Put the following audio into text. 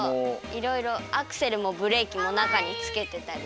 いろいろアクセルもブレーキもなかにつけてたりして。